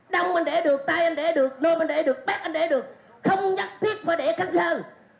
đông anh để được tay anh để được nôi anh để được bét anh để được không nhất thiết phải để khánh sơn